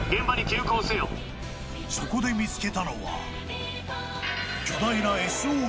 そこで見つけたのは巨大なＳＯＳ。